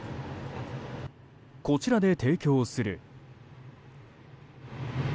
こちらで提供する。